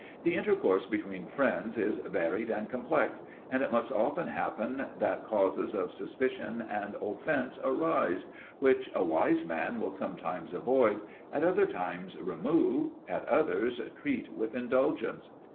The intercourse between friends is varied and complex, and it must often happen that causes of suspicion and offence arise, which a wise man will sometimes avoid, at other times remove, at others treat with indulgence.